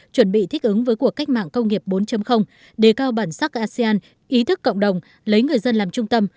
chuẩn bị thích ứng với cuộc cách mạng công nghiệp bốn đề cao bản sắc asean ý thức cộng đồng lấy người dân làm trung tâm